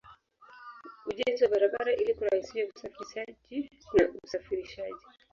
Ujenzi wa barabara ili kurahisisha usafiri na usafirishaji